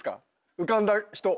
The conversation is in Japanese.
浮かんだ人。